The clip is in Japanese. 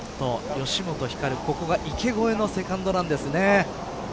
吉本ひかる、ここが池越えのセカンドなんですね。